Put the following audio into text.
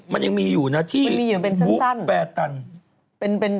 มันยังมีอยู่นะที่บุ๊คแปรตัน